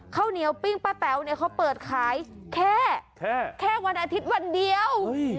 ข้าวเหนียวปิ้งป้าแต๋วเนี่ยเขาเปิดขายแค่แค่วันอาทิตย์วันเดียว